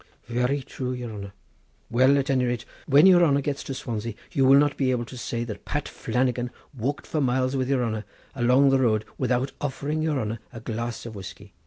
"Very true, your honour! Well, at any rate, when your honour gets to Swansea you will not be able to say that Pat Flannagan walked for miles with your honour along the road without offering your honour a glass of whiskey."